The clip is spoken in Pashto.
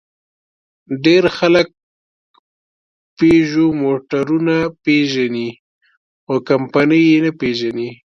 ډېر خلک پيژو موټرونه پېژني؛ خو کمپنۍ یې نه پېژني.